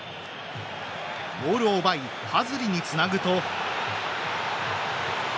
ボールを奪いハズリにつなぐと。